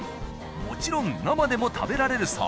もちろん生でも食べられるそう。